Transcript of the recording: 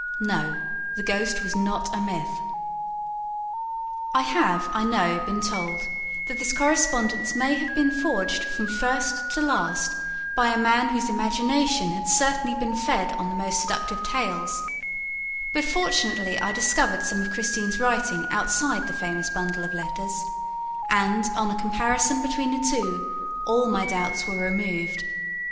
No, the ghost was not a myth! I have, I know, been told that this correspondence may have been forged from first to last by a man whose imagination had certainly been fed on the most seductive tales; but fortunately I discovered some of Christine's writing outside the famous bundle of letters and, on a comparison between the two, all my doubts were removed.